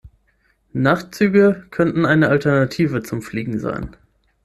Nachtzüge könnten eine Alternative zum Fliegen sein.